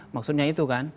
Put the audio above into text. maksudnya itu kan